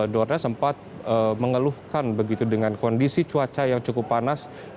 dorna sempat mengeluhkan begitu dengan kondisi cuaca yang cukup panas